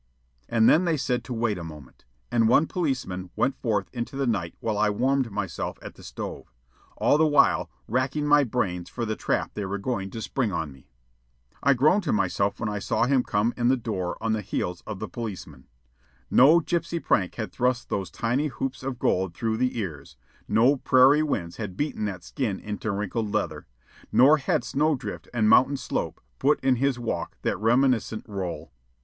And then they said to wait a moment, and one policeman went forth into the night while I warmed myself at the stove, all the while racking my brains for the trap they were going to spring on me. I groaned to myself when I saw him come in the door at the heels of the policeman. No gypsy prank had thrust those tiny hoops of gold through the ears; no prairie winds had beaten that skin into wrinkled leather; nor had snow drift and mountain slope put in his walk that reminiscent roll.